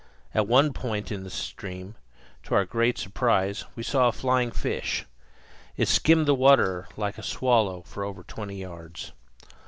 At one point in the stream, to our great surprise, we saw a flying fish. It skimmed the water like a swallow for over twenty yards.